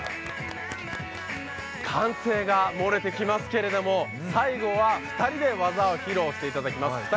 歓声が漏れてきますけれども、最後は２人で技を披露していただきます。